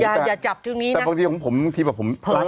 อย่าจับที่ตรงนี้นะแต่บางทีผมบางทีแบบผมเผลอ